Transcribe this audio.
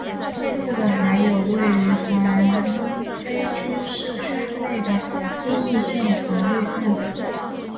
类似的还有位于朝韩非军事区内的京义线长湍站等。